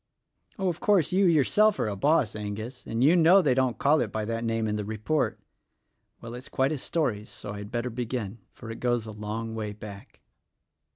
Oh, of course, you yourself are a boss, Angus, and you know they don't call it by that name in the report. Well, it's quite a story, so I'd better begin — for it goes a long way back.